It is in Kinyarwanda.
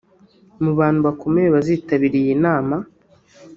Mu bantu bakomeye bazitabira iyi nama